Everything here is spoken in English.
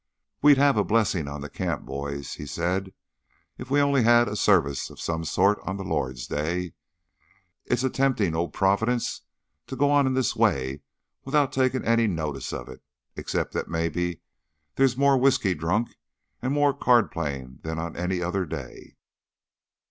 "We'd have a blessing on the camp, boys," he said, "if we only had a service o' some sort on the Lord's day. It's a temptin' o' Providence to go on in this way without takin' any notice of it, except that maybe there's more whisky drunk and more card playin' than on any other day."